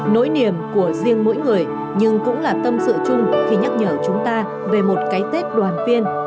nỗi niềm của riêng mỗi người nhưng cũng là tâm sự chung khi nhắc nhở chúng ta về một cái tết đoàn viên